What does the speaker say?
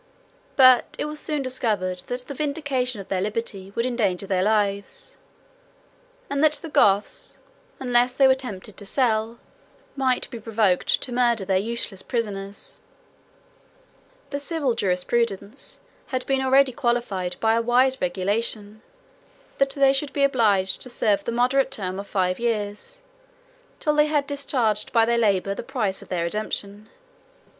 110 But as it was soon discovered that the vindication of their liberty would endanger their lives; and that the Goths, unless they were tempted to sell, might be provoked to murder, their useless prisoners; the civil jurisprudence had been already qualified by a wise regulation, that they should be obliged to serve the moderate term of five years, till they had discharged by their labor the price of their redemption.